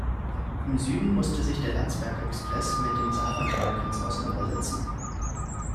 Im Süden musste sich der Landsberg Express mit den Saarland Hurricanes auseinandersetzen.